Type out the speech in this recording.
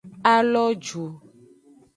A lo ju.